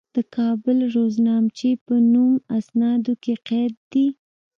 د کابل روزنامچې په نوم اسنادو کې قید دي.